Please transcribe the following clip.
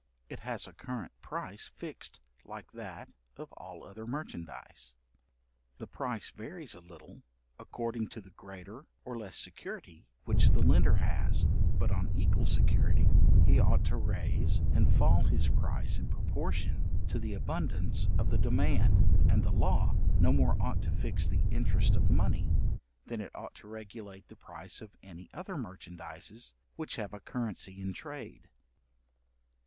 It has a current price fixed like that of all other merchandize. This price varies a little, according to the greater or less security which the lender has; but on equal security, he ought to raise and fall his price in proportion to the abundance of the demand, and the law no more ought to fix the interest of money than it ought to regulate the price of any other merchandizes which have a currency in trade.